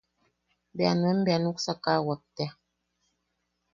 Bea nuen bea nuksakawak tea.